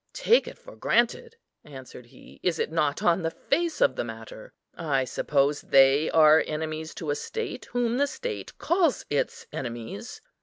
"Take it for granted!" answered he, "is it not on the face of the matter? I suppose they are enemies to a state, whom the state calls its enemies.